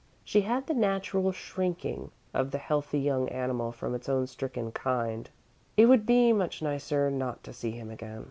She had the natural shrinking of the healthy young animal from its own stricken kind. It would be much nicer not to see him again.